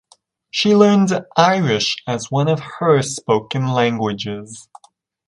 She learned Irish as one of her spoken languages.